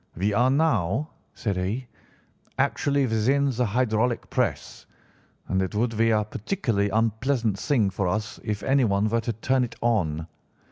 "'We are now,' said he, 'actually within the hydraulic press, and it would be a particularly unpleasant thing for us if anyone were to turn it on.